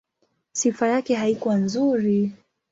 Sifa yake haikuwa nzuri.